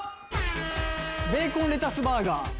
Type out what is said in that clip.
ベーコンレタスバーガー。